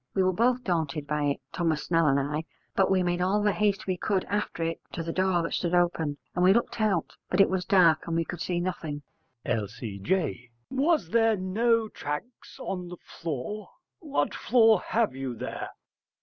We were both daunted by it, Thomas Snell and I, but we made all the haste we could after it to the door that stood open. And we looked out, but it was dark and we could see nothing. L.C.J. Was there no tracks of it on the floor? What floor have you there?